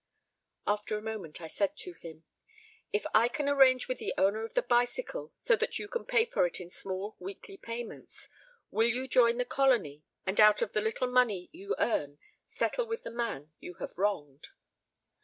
After a moment I said to him: "if I can arrange with the owner of the bicycle so that you can pay for it in small weekly payments, will you join the Colony and out of the little money you earn settle with the man you have wronged?"